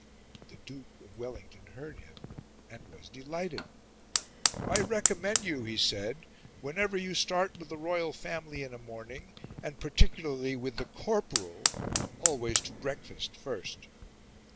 The Duke of Wellington heard him, and was delighted. "I recommend you," he said, "whenever you start with the royal family in a morning, and particularly with THE CORPORAL, always to breakfast first."